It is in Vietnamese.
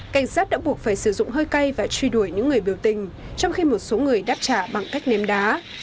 cảnh sát đã buộc phải sử dụng hơi cay và truy đuổi những người biểu tình trong khi một số người đáp trả bằng cách ném đá